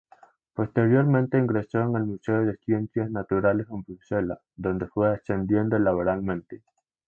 Posteriormente ingresó en el Museo de Ciencias Naturales en Bruselas, donde fue ascendiendo laboralmente.